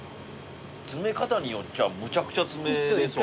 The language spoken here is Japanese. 詰め方によっちゃむちゃくちゃ詰めれそう。